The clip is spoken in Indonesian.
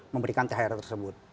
memberikan thr tersebut